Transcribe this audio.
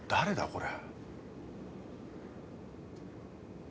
これ。